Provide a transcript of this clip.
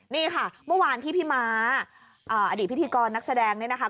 นี่ค่ะเมื่อวานที่พี่ม้าอดีตพิธีกรนักแสดงเนี่ยนะคะ